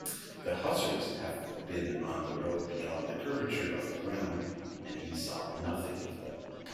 The hussars had been on the road beyond the curvature of the ground, and he saw nothing of them.